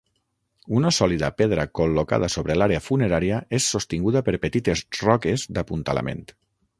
Una sòlida pedra col·locada sobre l'àrea funerària és sostinguda per petites roques d'apuntalament.